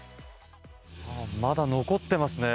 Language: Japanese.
まだ残っていますね。